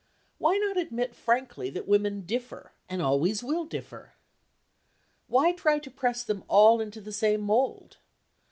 Why not admit frankly that women differ, and always will differ? Why try to press them all into the same mould?